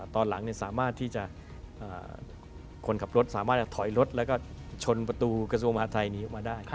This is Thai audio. ตอนหลังนะครับคนขับรถสามารถจะถอยรถแล้วก็ชนประตูคสมไทยนี้ออกมาได้